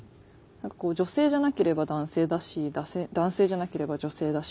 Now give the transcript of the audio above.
女性じゃなければ男性だし男性じゃなければ女性だし。